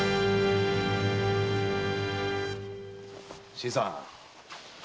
新さん